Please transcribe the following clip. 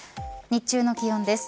日中の気温です。